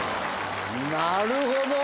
なるほど！